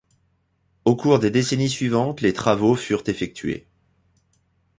Au cours des décennies suivantes les travaux furent effectués.